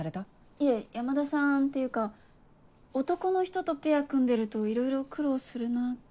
いえ山田さんっていうか男の人とペア組んでるといろいろ苦労するなって。